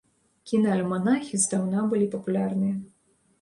Кінаальманахі здаўна былі папулярныя.